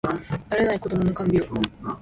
慣れない子どもの看病